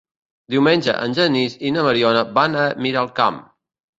Diumenge en Genís i na Mariona van a Miralcamp.